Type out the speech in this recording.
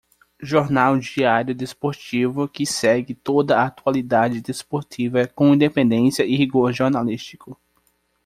Jornal diário desportivo que segue toda a atualidade desportiva com independência e rigor jornalístico.